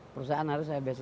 perusahaan harus saya biasakan